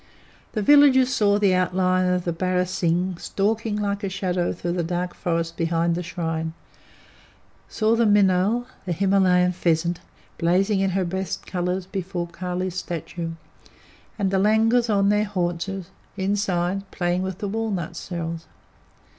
The villagers saw the outline of the barasingh stalking like a shadow through the dark forest behind the shrine; saw the minaul, the Himalayan pheasant, blazing in her best colours before Kali's statue; and the langurs on their haunches, inside, playing with the walnut shells.